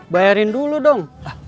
bayarin dulu dong